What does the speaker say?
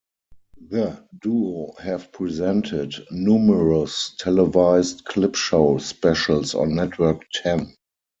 The duo have presented numerous televised clip show specials on Network Ten.